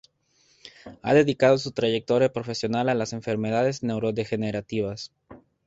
Ha dedicado su trayectoria profesional a las enfermedades neurodegenerativas.